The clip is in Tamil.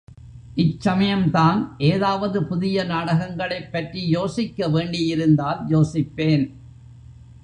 இச்சமயம்தான் ஏதாவது புதிய நாடகங்களைப் பற்றி யோசிக்க வேண்டியிருந்தால் யோசிப்பேன்.